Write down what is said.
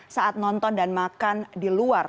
saat nonton dan makan di luar